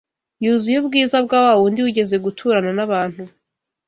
yuzuye ubwiza bwa wa Wundi wigeze guturana n’abantu